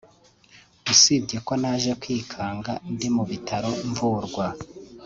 usibye ko naje kwikanga ndi mu bitaro mvurwa